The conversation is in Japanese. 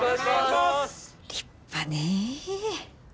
立派ねえ。